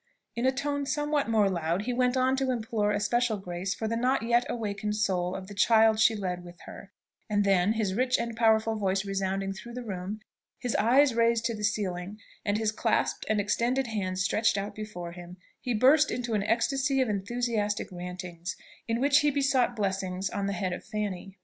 In a tone somewhat more loud he went on to implore especial grace for the not yet awakened soul of the child she led with her; and then, his rich and powerful voice resounding through the room, his eyes raised to the ceiling, and his clasped and extended hands stretched out before him, he burst into an ecstasy of enthusiastic rantings, in which he besought blessings on the head of Fanny.